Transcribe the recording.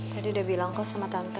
tadi udah bilang kok sama tante